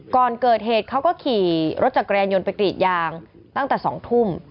ก่อนเกิดเหตุเขาก็ขี่รถจักรยานยนต์ไปกรีดยางตั้งแต่๒ทุ่ม